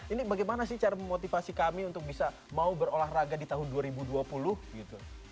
ini bagaimana sih cara memotivasi kami untuk bisa mau berolahraga di tahun dua ribu dua puluh gitu